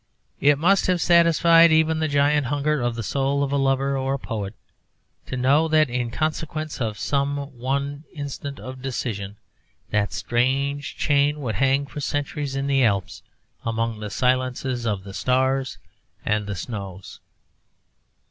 It must have satisfied even the giant hunger of the soul of a lover or a poet to know that in consequence of some one instant of decision that strange chain would hang for centuries in the Alps among the silences of stars and snows.